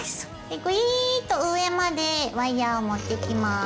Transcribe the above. ぐいっと上までワイヤーを持ってきます。